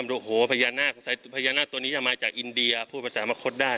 โอ้โหพญานาคพญานาคตัวนี้จะมาจากอินเดียพูดภาษามะคดได้